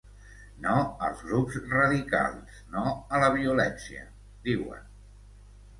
“No als grups radicals, no a la violència”, diuen.